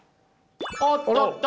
おっとっと！